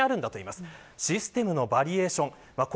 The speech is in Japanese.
まずシステムのバリエーションです。